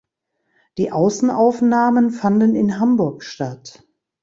Die Außenaufnahmen fanden in Hamburg statt.